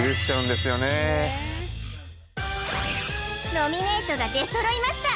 ノミネートが出揃いました